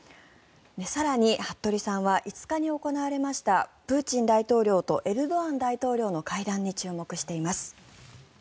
更に、服部さんは５日に行われましたプーチン大統領とエルドアン大統領の会談に注目しています。